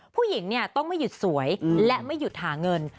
ผู้หญิงต้องไม่หยุดสวยและไม่หยุดหาเงิน